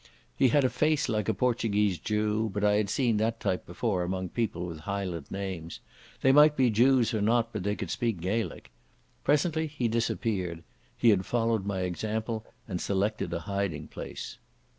He had a face like a Portuguese Jew, but I had seen that type before among people with Highland names; they might be Jews or not, but they could speak Gaelic. Presently he disappeared. He had followed my example and selected a hiding place.